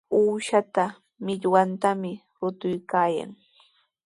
Uushapa millwantami rutuykaayan.